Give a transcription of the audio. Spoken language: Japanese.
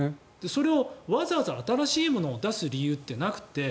わざわざ新しいものを出す理由ってなくて。